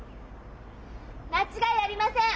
間違いありません！